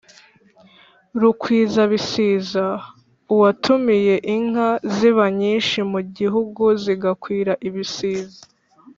Rukwizabisiza: uwatumiye inka ziba nyinshi mu Gihugu zigakwira ibisiza.